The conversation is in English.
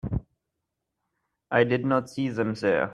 I did not see them there.